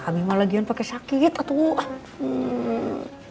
habi malah gion pake sakit tuh